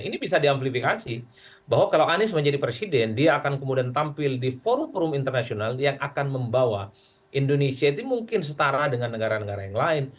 ini bisa diamplifikasi bahwa kalau anies menjadi presiden dia akan kemudian tampil di forum forum internasional yang akan membawa indonesia itu mungkin setara dengan negara negara yang lain